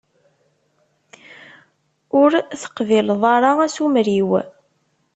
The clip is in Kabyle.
Ur teqbileḍ ara asumer-iw?